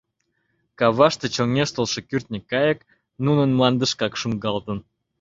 Каваште чоҥештылше кӱртньӧ кайык нунын мландышкак шуҥгалтын.